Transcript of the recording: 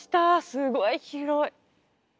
すごい広い。